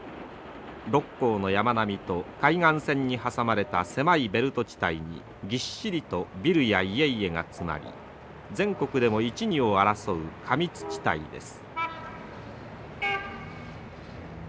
六甲の山並みと海岸線に挟まれた狭いベルト地帯にぎっしりとビルや家々が詰まり全国でも一二を争う過密地帯です。